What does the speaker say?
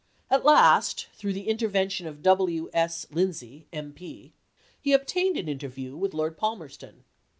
At last, through the intervention of W. S. Lind say, M. P., he obtained an interview with Lord Palmerston.